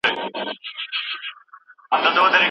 د څېړونکي نظم له بې نظمه کار غوره وي.